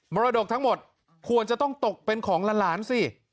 รดกทั้งหมดควรจะต้องตกเป็นของหลานสิ